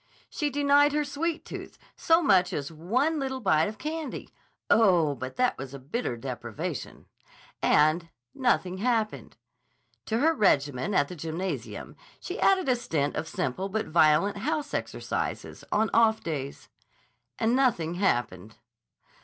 She denied her sweet tooth so much as one little bite of candy—oh, but that was a bitter deprivation—and nothing happened. To her regimen at the gymnasium she added a stint of simple but violent house exercises on off days—and nothing happened.